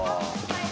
はい。